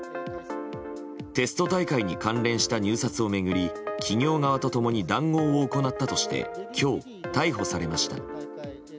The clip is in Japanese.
テスト大会に関連した入札を巡り企業側と共に談合を行ったとして今日、逮捕されました。